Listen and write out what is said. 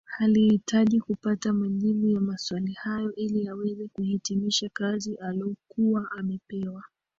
Alihitaji kupata majibu ya maswali hayo ili aweze kuhitimisha kazi alokuwa amepewa